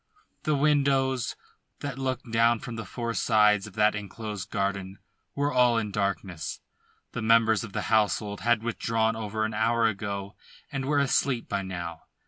The windows that looked down from the four sides of that enclosed garden were all in darkness. The members of the household had withdrawn over an hour ago and were asleep by now.